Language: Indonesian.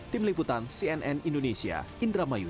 tim liputan cnn indonesia indramayu